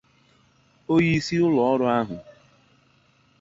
onyeisi ụlọọrụ ahụ